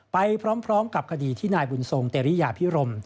ไปพร้อมกับคดีที่นายบุญทรงเตรียพิรม